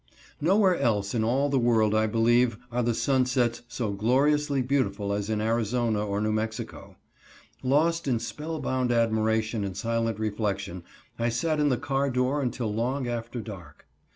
Nowhere else in all the world, I believe, are the sunsets so gloriously beautiful as in Arizona or New Mexico. Lost in spell bound admiration and silent reflection, I sat in the car door until long after dark.